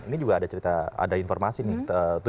ini juga ada cerita ada informasi nih